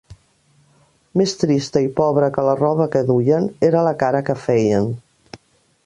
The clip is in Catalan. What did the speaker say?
Més trista i pobra que la roba que duien, era la cara que feien.